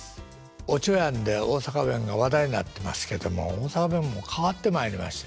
「おちょやん」で大阪弁が話題になってますけども大阪弁も変わってまいりましてね。